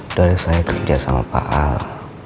itu ada saya kerja sama pak al